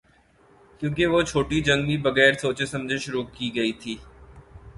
کیونکہ وہ چھوٹی جنگ بھی بغیر سوچے سمجھے شروع کی گئی تھی۔